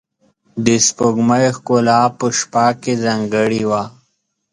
د سپوږمۍ ښکلا په شپه کې ځانګړې وه.